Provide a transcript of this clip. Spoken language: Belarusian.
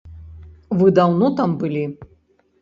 Вы даўно там былі?